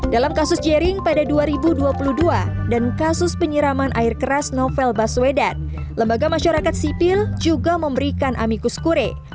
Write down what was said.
dalam kasus jering pada dua ribu dua puluh dua dan kasus penyiraman air keras novel baswedan lembaga masyarakat sipil juga memberikan amikus kure